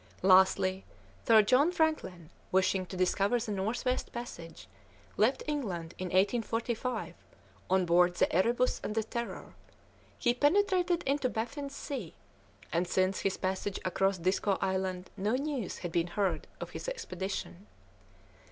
Lastly, Sir John Franklin, wishing to discover the North West passage, left England in 1845 on board the Erebus and the Terror; he penetrated into Baffin's Sea, and since his passage across Disko Island no news had been heard of his expedition.